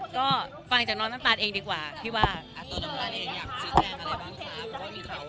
ก็ฟังจากน้อนน้ำตาลเองดีกว่าพี่ว่าก